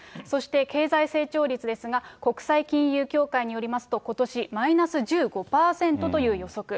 そして経済成長率ですが、国際金融協会によりますと、ことし、マイナス１５％という予測。